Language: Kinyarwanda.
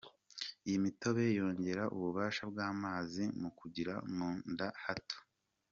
Iyi mitobe yongera ububasha bw’amazi mu kugira munda hato,.